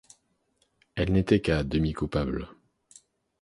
Elle n’était qu’à demi coupable.